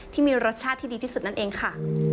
ที่มีรสชาติที่ดีที่สุดนั่นเองค่ะ